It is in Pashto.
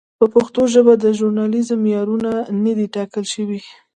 په پښتو ژبه د ژورنالېزم معیارونه نه دي ټاکل شوي.